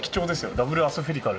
ダブルアスフェリカル。